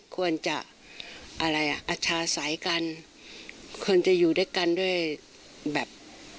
ควรจะอาชาสายกันควรจะอยู่ด้วยกันด้วยแบบ